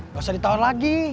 gak usah ditawar lagi